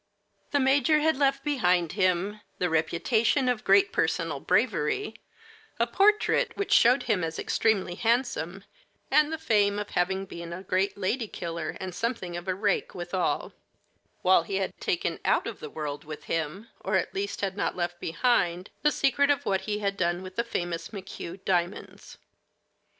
The major had left behind him the reputation of great personal bravery, a portrait which showed him as extremely handsome, and the fame of having been a great lady killer and something of a rake withal; while he had taken out of the world with him, or at least had not left behind, the secret of what he had done with the famous McHugh diamonds.